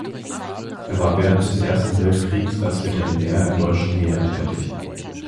Er war während des Ersten Weltkriegs als Veterinär im deutschen Heer tätig.